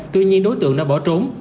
tuy nhiên đối tượng đã bỏ trốn